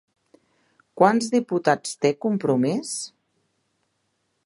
Quants diputats té Compromís?